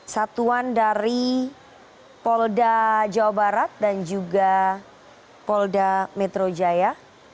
satuan dari polda jawa barat dan juga polda metro jaya